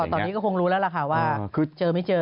ตอนนี้ก็คงรู้แล้วล่ะค่ะว่าคือเจอไม่เจอ